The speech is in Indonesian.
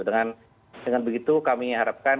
dengan begitu kami harapkan